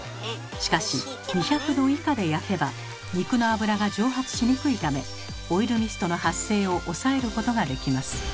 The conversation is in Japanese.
しかし２００度以下で焼けば肉の油が蒸発しにくいためオイルミストの発生を抑えることができます。